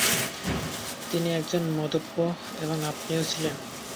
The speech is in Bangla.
তিনি একজন মদ্যপ এবং আপনিও ছিলেন।